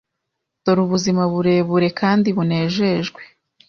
Dore ubuzima burebure kandi bunejejwe!